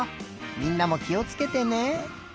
みんなもきをつけてね。